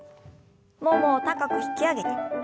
ももを高く引き上げて。